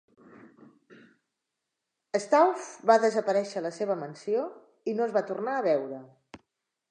Stauf va desaparèixer a la seva mansió i no es va tornar a veure.